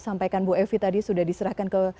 sampaikan bu evi tadi sudah diserahkan ke